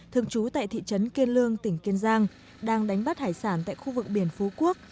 thường trú tại thị trấn kiên lương tỉnh kiên giang đang đánh bắt hải sản tại khu vực biển phú quốc